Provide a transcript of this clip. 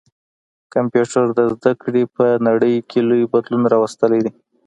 کمپيوټر د زده کړي په نړۍ کي لوی بدلون راوستلی دی.